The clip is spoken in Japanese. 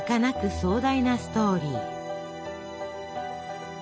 壮大なストーリー。